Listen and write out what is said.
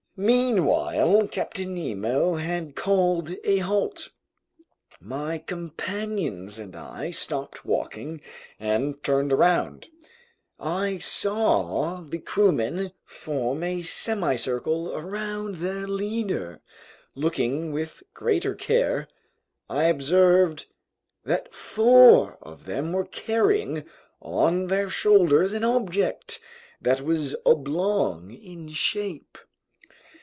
Meanwhile Captain Nemo had called a halt. My companions and I stopped walking, and turning around, I saw the crewmen form a semicircle around their leader. Looking with greater care, I observed that four of them were carrying on their shoulders an object that was oblong in shape.